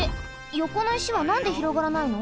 よこの石はなんで広がらないの？